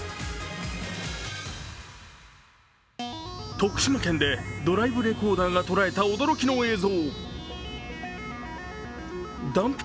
徳島県でドライブレコーダーが捉えた驚きの映像。